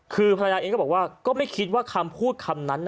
คือภรรยาเองก็บอกว่าก็ไม่คิดว่าคำพูดคำนั้น